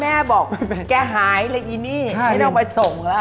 แม่บอกแกหายเอามาส่งละ